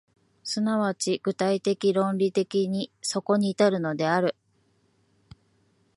即ち具体的論理的にそこに至るのである。